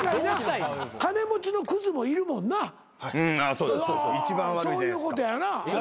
そういうことやな。